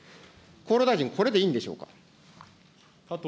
厚労大臣、これでいいんでしょう加藤